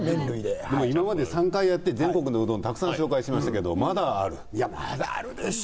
今まで３回やって全国のうどんたくさん紹介しましたけどまだある？